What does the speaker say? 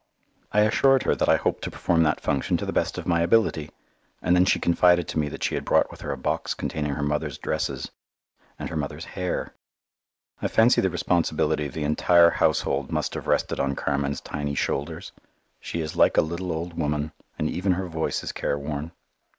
I assured her that I hoped to perform that function to the best of my ability, and then she confided to me that she had brought with her a box containing her mother's dresses and her mother's hair. I fancy the responsibility of the entire household must have rested on Carmen's tiny shoulders; she is like a little old woman, and even her voice is care worn.